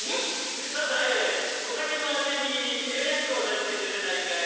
サザエお酒のあてに冷ややっこを出してくれないかい。